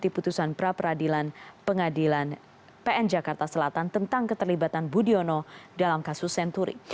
putusan pra peradilan pengadilan pn jakarta selatan tentang keterlibatan budiono dalam kasus senturi